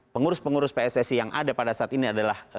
pengurus pengurus pssi yang ada pada saat ini adalah